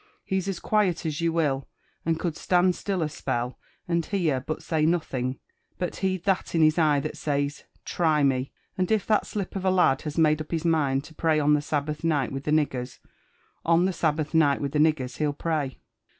He's as quiet as you will, and could stand still a spell, and hear, but say nothing; but he'd that in his eye that says ' try me^* and if that slip of a lad has made up his mind to pray on the Sabbath night with the niggers, on the Sabbath night with the niggers he'll pray."